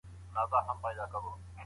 مشران کله د ډیپلوماسۍ اصول کاروي؟